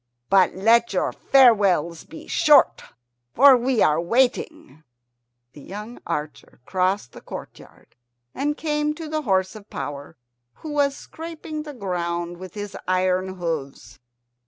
But let your farewells be short, for we are waiting." The young archer crossed the courtyard and came to the horse of power, who was scraping the ground with his iron hoofs.